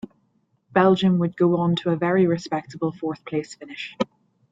Belgium would go on to a very respectable fourth-place finish.